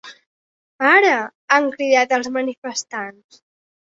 Ara!, han cridat els manifestants.